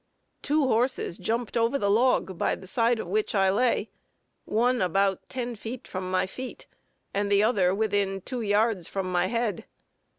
Two horses jumped over the log by the side of which I lay, one about ten feet from my feet, and the other within two yards from my head.